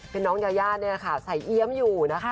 เท่าน้องยายาใสยี้ยำอยู่นะคะ